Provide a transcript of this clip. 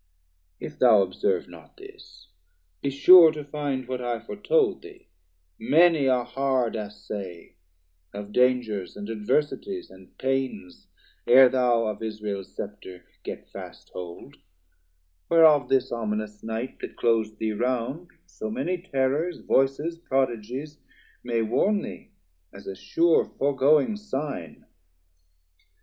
If thou observe not this, be sure to find, What I foretold thee, many a hard assay Of dangers, and adversities and pains, E're thou of Israel's Scepter get fast hold; 480 Whereof this ominous night that clos'd thee round, So many terrors, voices, prodigies May warn thee, as a sure fore going sign.